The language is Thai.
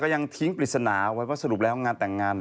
อย่างทิ้งปริษณาไว้ว่าสรุปแล้วการ์ด